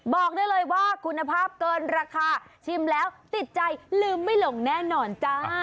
บอกได้เลยว่าคุณภาพเกินราคาชิมแล้วติดใจลืมไม่หลงแน่นอนจ้า